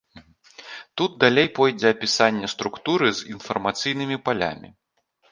Тут далей пойдзе апісанне структуры з інфармацыйнымі палямі.